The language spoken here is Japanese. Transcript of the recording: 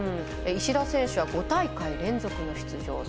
石田選手は５大会連続の出場。